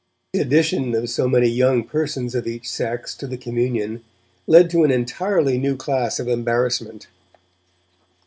The addition of so many young persons of each sex to the communion led to an entirely new class of embarrassment.